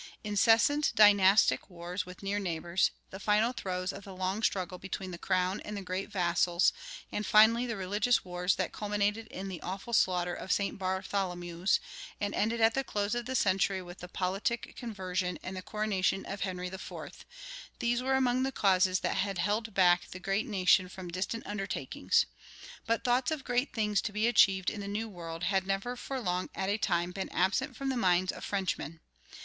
Incessant dynastic wars with near neighbors, the final throes of the long struggle between the crown and the great vassals, and finally the religious wars that culminated in the awful slaughter of St. Bartholomew's, and ended at the close of the century with the politic conversion and the coronation of Henry IV. these were among the causes that had held back the great nation from distant undertakings. But thoughts of great things to be achieved in the New World had never for long at a time been absent from the minds of Frenchmen.